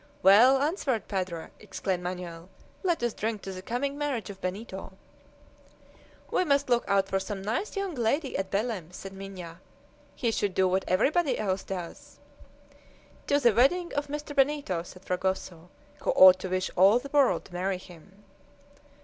"Well answered, padre!" exclaimed Manoel. "Let us drink to the coming marriage of Benito." "We must look out for some nice young lady at Belem," said Minha. "He should do what everybody else does." "To the wedding of Mr. Benito!" said Fragoso, "who ought to wish all the world to marry him!"